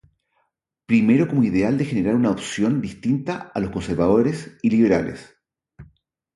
Primero como ideal de generar una opción distinta a los conservadores y liberales.